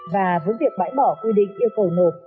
và với việc bãi bỏ quy định yêu cầu nộp